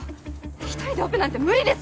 一人でオペなんて無理です